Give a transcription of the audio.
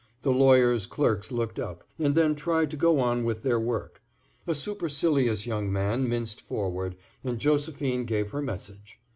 The lawyers' clerks looked up, and then tried to go on with their work. A supercilious young man minced forward, and Josephine gave her message.